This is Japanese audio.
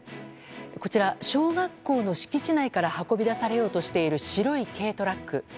こちら、小学校の敷地内から運び出されようとしている白い軽トラック。